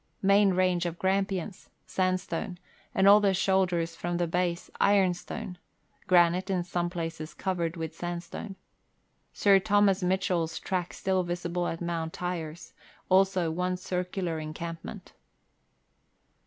Main range of Gram pians, sandstone, and all the shoulders from the base, ironstone ; granite in some places covered with sandstone. Sir Thomas Mitchell's track still visible at Mount Tyers ; also, one circular encampment.